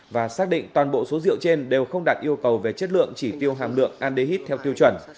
và xác định toàn bộ số rượu trên đều không đạt yêu cầu về chất lượng chỉ tiêu hàm lượng andehid theo tiêu chuẩn